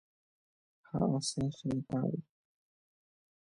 Ha asẽ che retãgui.